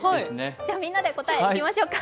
じゃあ、みんなで答えいきましょうか。